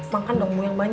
makan dong bu yang banyak